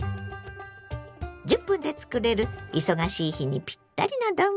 １０分で作れる忙しい日にピッタリの丼。